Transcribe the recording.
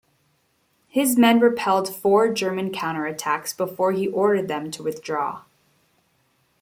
His men repelled four German counterattacks before he ordered them to withdraw.